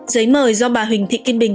giấy mời do bà huỳnh thị kim bình